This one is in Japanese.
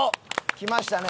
きましたね。